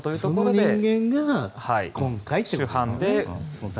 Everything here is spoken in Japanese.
その人間が今回ということですね。